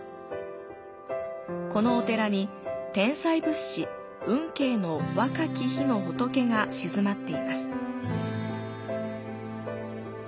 このお寺に天才仏師、運慶の若き日の仏が鎮まっています。